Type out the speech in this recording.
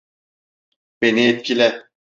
Beni etkile.